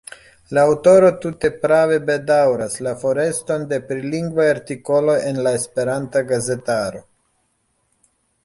La aŭtoro tute prave bedaŭras la foreston de prilingvaj artikoloj en la esperanta gazetaro.